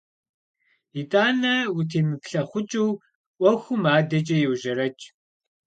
ИтӀанэ, утемыплъэкъукӀыу, Ӏуэхум адэкӀэ еужьэрэкӀ.